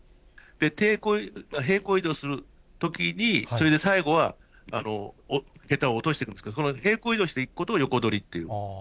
平行移動するときに、それで最後は桁を落としてるんですけど、その平行移動していくことを横取りっていう。